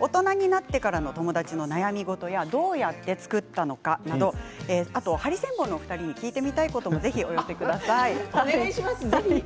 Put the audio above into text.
大人になってからの友達の悩み事やどうやって作ったのかなどハリセンボンのお二人に聞いてみたいこともお願いします、ぜひ。